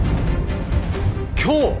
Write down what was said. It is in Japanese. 今日！？